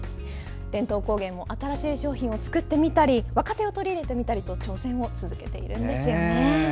伝統工芸も新しい商品を開発したり若手を取り入れたりと挑戦を続けているんです。